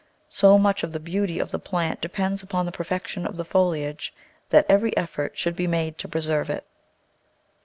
So much of the beauty of the plant depends upon the perfection of the foliage that every effort should be made to preserve it.